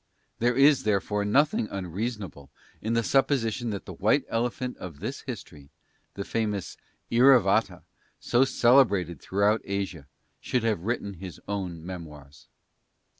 There is, therefore, nothing unreasonable in the supposition that the White Elephant of this history, the famous "Iravata" so celebrated throughout Asia, should have written his own memoirs.